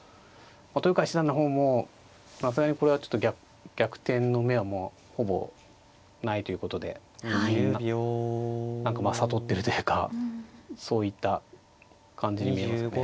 豊川七段の方もさすがにこれはちょっと逆転の芽はもうほぼないということで何かまあ悟ってるというかそういった感じに見えますよね。